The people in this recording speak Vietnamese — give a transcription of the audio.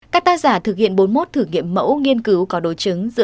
các ta giả thực hiện bốn mốt thử nghiệm mẫu nghiên cứu có đối chứng